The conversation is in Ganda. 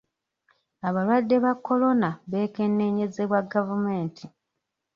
Abalwadde ba korona beekenneenyezebwa gavumenti.